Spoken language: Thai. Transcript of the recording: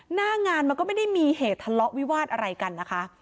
หน้างานมันก็ไม่ได้มีเหตุทะเลาะวิวาสอะไรกันนะคะ